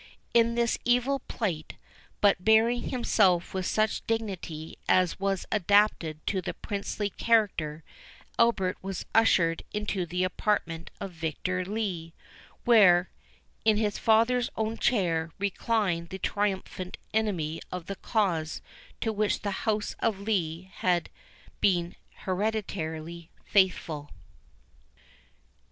In this evil plight, but bearing himself with such dignity as was adapted to the princely character, Albert was ushered into the apartment of Victor Lee, where, in his father's own chair, reclined the triumphant enemy of the cause to which the house of Lee had been hereditarily faithful.